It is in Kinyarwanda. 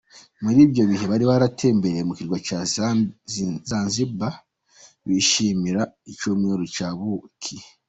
Muri ibyo bihe bari baratembereye ku kirwa cya Zanzibar bishimira Icyumweru cya buki.